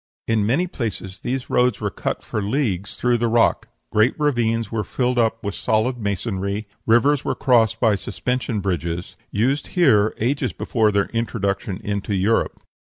In many places these roads were cut for leagues through the rock; great ravines were filled up with solid masonry; rivers were crossed by suspension bridges, used here ages before their introduction into Europe.